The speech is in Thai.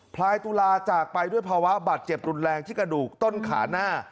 พลายตุลาจากไปด้วยภาวะบาดเจ็บรุนแรงที่กระดูกต้นขาหน้า